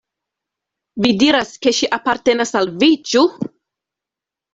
Vi diras, ke ŝi apartenas al vi, ĉu!